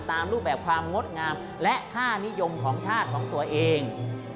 รูปแบบความงดงามและค่านิยมของชาติของตัวเอง